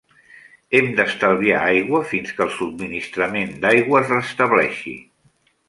Hem d'estalviar aigua fins que el subministrament d'aigua es restableixi.